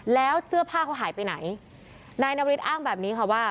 แล้วเสื้อผ้าเขาหายไปไหนนายนาริสอ้างแบบนี้ค่ะว่า